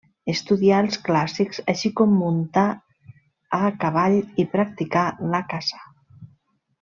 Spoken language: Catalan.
Estudià els clàssics així com muntar a cavall i practicar la caça.